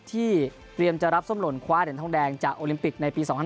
เตรียมจะรับส้มหล่นคว้าเหรียญทองแดงจากโอลิมปิกในปี๒๐๑๖